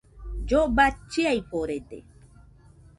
Lloba chiaforede